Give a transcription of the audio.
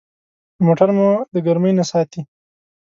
موټر مو د ګرمي نه ساتي.